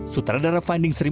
sutradara finding serimu